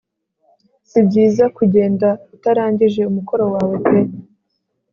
si byiza kugenda utarangije umukoro wawe pe